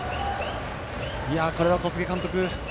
これは小菅監督